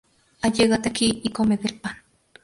Allégate aquí, y come del pan.